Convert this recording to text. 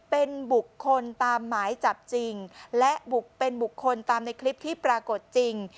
เป็นบุคคลตามหมายจับจริงและเป็นบุคคลตามในคลิปที่ปรากฏจริง